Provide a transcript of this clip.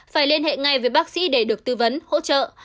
phải liên hệ ngay với bác sĩ để được tư vấn hỗ trợ